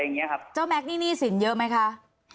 คุณเอกวีสนิทกับเจ้าแม็กซ์แค่ไหนคะ